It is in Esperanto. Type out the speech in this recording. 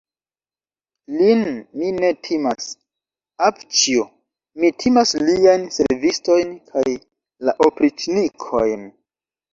Lin mi ne timas, avĉjo, mi timas liajn servistojn kaj la opriĉnikojn.